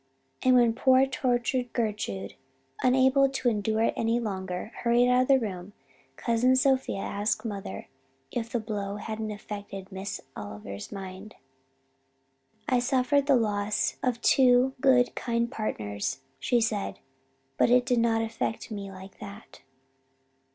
And when poor tortured Gertrude, unable to endure it any longer, hurried out of the room, Cousin Sophia asked mother if the blow hadn't affected Miss Oliver's mind. "'I suffered the loss of two good kind partners,' she said, 'but it did not affect me like that.'